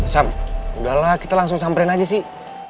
sam udahlah kita langsung samperin aja sih